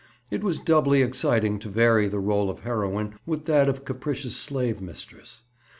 It was doubly exciting to vary the role of heroine with that of capricious slave mistress.